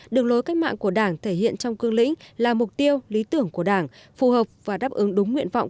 đường lối cách mạng của đảng thể hiện trong cương lĩnh là mục tiêu lý tưởng của đảng phù hợp và đáp ứng đúng nguyện vọng